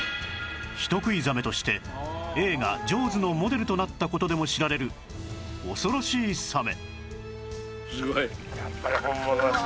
人食いザメとして映画『ジョーズ』のモデルとなった事でも知られる恐ろしいサメ